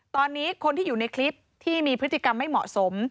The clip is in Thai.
ตอนนี้คนที่อยู่ในคลิปที่มีพฤติกรรมไม่เหมาะสม